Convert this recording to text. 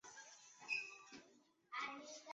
刘逸明再次就此事件发表评论文章。